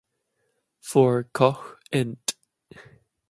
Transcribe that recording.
For Koch int.